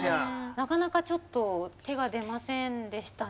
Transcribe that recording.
なかなかちょっと手が出ませんでしたね。